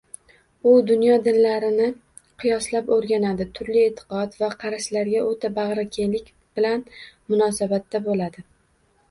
U dunyo dinlarini qiyoslab oʻrganadi, turli eʼtiqod va qarashlarga oʻta bagʻrikenglik bilan munosabatda boʻladi